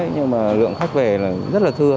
nhưng mà lượng khách về là rất là thưa